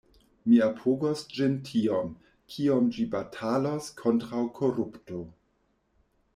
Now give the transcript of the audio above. Mi apogos ĝin tiom kiom ĝi batalos kontraŭ korupto.